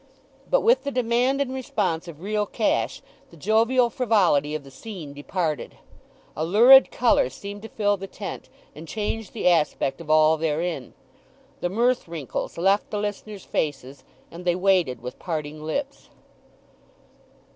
But with the demand and response of real cash the jovial frivolity of the scene departed. A lurid colour seemed to fill the tent, and change the aspect of all therein. The mirth wrinkles left the listeners' faces, and they waited with parting lips.